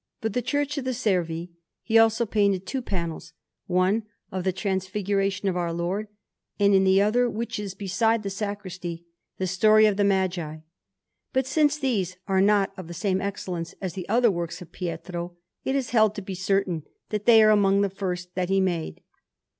For the Church of the Servi he also painted two panels, one of the Transfiguration of Our Lord, and in the other, which is beside the sacristy, the Story of the Magi; but, since these are not of the same excellence as the other works of Pietro, it is held to be certain that they are among the first that he made.